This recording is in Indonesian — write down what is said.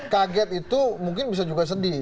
kaget itu mungkin bisa juga sedih